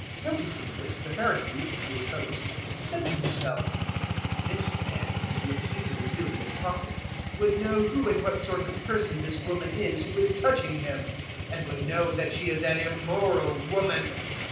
007:039 Noticing this, the Pharisee, His host, said to himself, "This man, if he were really a Prophet, would know who and what sort of person this woman is who is touching him and would know that she is an immoral woman."